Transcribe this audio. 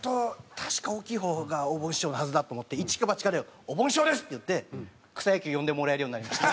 確か大きい方がおぼん師匠のはずだと思って一か八かで「おぼん師匠です！」って言って草野球呼んでもらえるようになりました。